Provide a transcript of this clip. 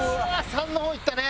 ３の方いったね。